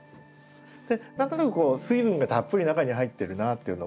何となくこう水分がたっぷり中に入ってるなっていうのも。